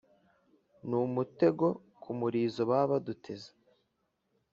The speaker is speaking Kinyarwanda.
n’umutego ku murizo baba baduteze